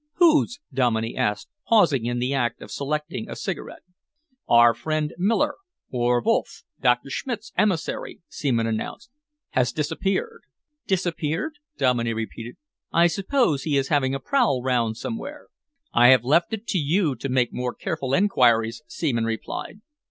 "Whose?" Dominey asked, pausing in the act of selecting a cigarette. "Our friend Miller, or Wolff Doctor Schmidt's emissary," Seaman announced, "has disappeared." "Disappeared?" Dominey repeated. "I suppose he is having a prowl round somewhere." "I have left it to you to make more careful enquiries," Seaman replied.